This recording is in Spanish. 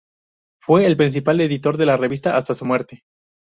Fue el principal editor de la revista hasta su muerte.